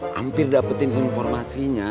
hampir dapetin informasinya